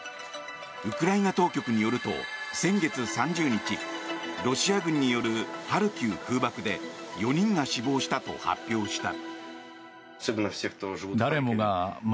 ウクライナ当局によると先月３０日ロシア軍によるハルキウ空爆で４人が死亡したと発表した。